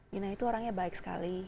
mina itu orangnya baik sekali